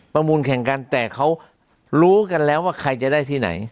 ประมูลแข่งกันแต่เขารู้กันแล้วว่าใครจะได้ที่ไหน